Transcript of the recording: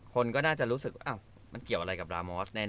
คนก็น่าจะรู้สึกว่าอ้าวมันเกี่ยวกับราโมนท์แน่